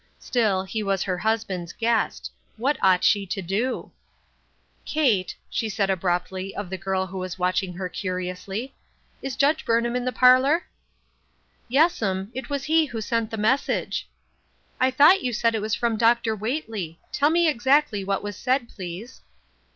Still, he was her hus band's guest. What ought she to do ?" Kate," she asked abruptly of the girl who was watching her curiously, " is Judge Burnham in the parlor ?" THE UNEXPECTED. 83 " Yes'm ; it was he who sent the message." " I thought you said it was Dr. Whately. Tell me exactly what was said, please."